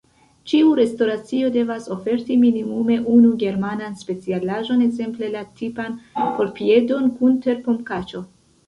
Ĉiu restoracio devas oferti minimume unu germanan specialaĵon, ekzemple la tipan porkpiedon kun terpomkaĉo.